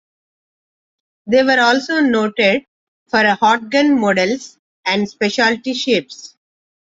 They were also noted for hot gun models and specialty shapes.